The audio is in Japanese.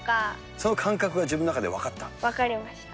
その感覚が自分の中で分かっ分かりました。